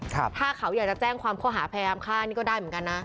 ถ้าเขาอยากจะแจ้งความข้อหาพยายามฆ่านี่ก็ได้เหมือนกันนะ